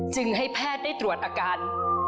จึงให้แพทย์ได้ตรวจอาการ